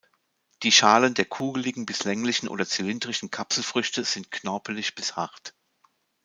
Die Schalen der kugeligen bis länglichen oder zylindrischen Kapselfrüchte sind knorpelig bis hart.